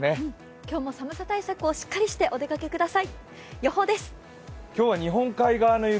今日も寒さ対策をしっかりして、お出かけください。